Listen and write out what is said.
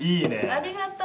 ありがとう！